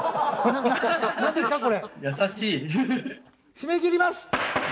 締め切ります。